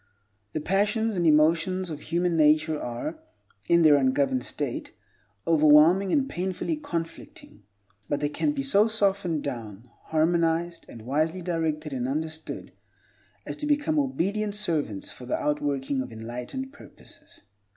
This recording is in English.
The passions and emotions of human nature are, in their ungoverned state, overwhelming and painfully conflicting, but they can be so softened down, harmonized, and wisely directed and understood, as to become obedient servants for the outworking of enlightened purposes.